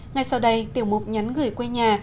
ngay sau đây tiểu mục nhắn gửi quê nhà